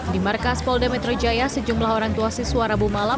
di markas polda metro jaya sejumlah orang tua siswa rabu malam